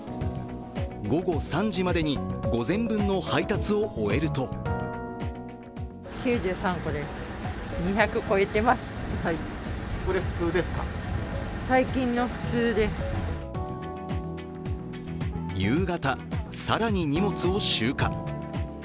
午後３時までに午前分の配達を終えると夕方、更に荷物を集荷。